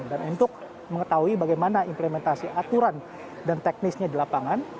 dan untuk mengetahui bagaimana implementasi aturan dan teknisnya di lapangan